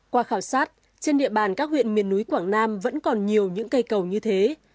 qua khảo sát trên địa bàn các huyện miền núi quảng nam vẫn còn nhiều những cây cầu như thế